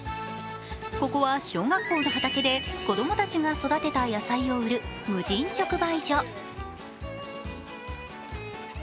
ここは小学校の畑で、子供たちが育てた野菜を売る無人直売所。